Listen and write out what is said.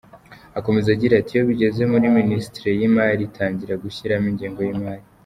Akomeza agira ati” Iyo bigeze muri Minisiteri y’imari itangira gushyiramo ingengo y’imari.